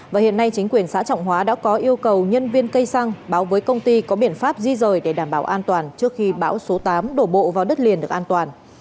và hiện nay chính quyền xã trọng hóa đã có yêu cầu nhân viên cây xăng báo với công ty có biện pháp di rời để đảm bảo an toàn trước khi bão số tám đổ bộ vào đất liền được an toàn